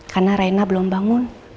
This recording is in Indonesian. karena raina belum bangun